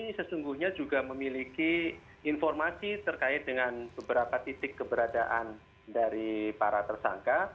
ini sesungguhnya juga memiliki informasi terkait dengan beberapa titik keberadaan dari para tersangka